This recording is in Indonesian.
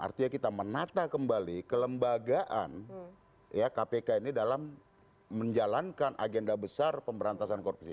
artinya kita menata kembali kelembagaan kpk ini dalam menjalankan agenda besar pemberantasan korupsi